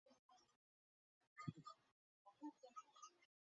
卡什提里亚什二世加喜特国王。